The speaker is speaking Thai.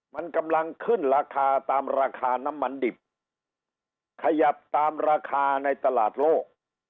มันกำลังขึ้นราคาตามราคาน้ำมันดิบขยับตามราคาในตลาดโลก